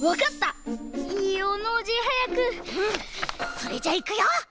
それじゃいくよ！